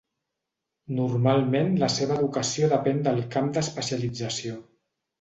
Normalment la seva educació depèn del camp d'especialització.